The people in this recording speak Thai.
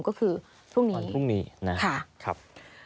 ก็คือพรุ่งนี้พรุ่งนี้นะครับ